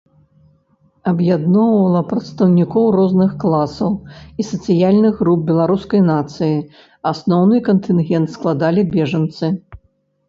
Аб'ядноўвала прадстаўнікоў розных класаў і сацыяльных груп беларускай нацыі, асноўны кантынгент складалі бежанцы.